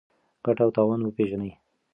ګټه او تاوان وپېژنئ.